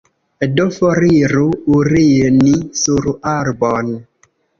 Do foriru urini sur arbon!